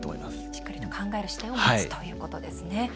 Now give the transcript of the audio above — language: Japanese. しっかりと考える視点を持つということですね。